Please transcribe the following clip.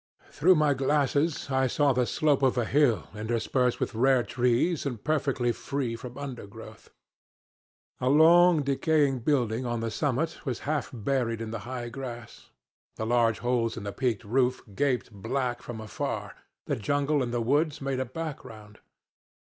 "Through my glasses I saw the slope of a hill interspersed with rare trees and perfectly free from undergrowth. A long decaying building on the summit was half buried in the high grass; the large holes in the peaked roof gaped black from afar; the jungle and the woods made a background.